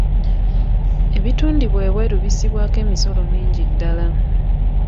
Ebitundibwa ebweru bissibwako emisolo mingi ddala.